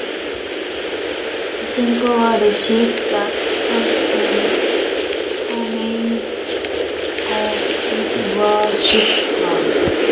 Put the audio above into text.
The same power receives the thanks and homage of his worshippers.